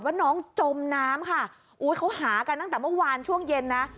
ว่าน้องจมน้ำค่ะอุ้ยเขาหากันตั้งแต่เมื่อวานช่วงเย็นนะ